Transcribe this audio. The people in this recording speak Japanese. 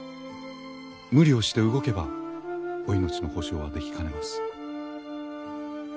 無理をして動けばお命の保証はできかねます。